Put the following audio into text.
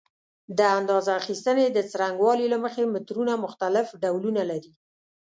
د اندازه اخیستنې د څرنګوالي له مخې مترونه مختلف ډولونه لري.